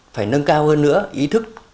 phải nâng cao hơn nữa ý thức